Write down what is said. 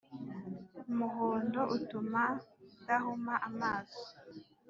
umuhondo utuma udahuma amaso.